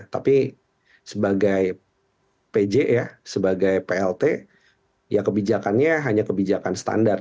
tapi sebagai pj ya sebagai plt ya kebijakannya hanya kebijakan standar